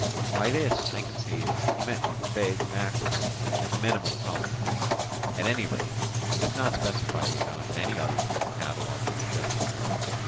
By this, I conceive, he meant to convey the maximum and the minimum complement: at any rate, he does not specify the amount of any others in his catalogue of the ships.